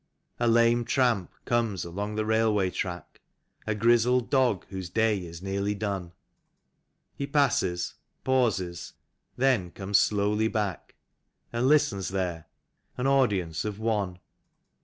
A lame tramp comes along the railway track, A grizzled dog whose day is nearly done; He passes, pauses, then comes slowly back And listens there — an audience of one.